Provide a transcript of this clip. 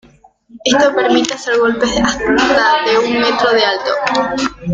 Esto permite hacer golpes de hasta un metro de alto.